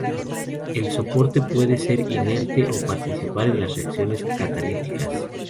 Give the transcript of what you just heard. El soporte puede ser inerte o participar en las reacciones catalíticas.